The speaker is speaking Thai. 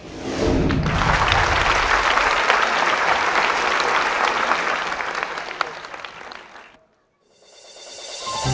เชียง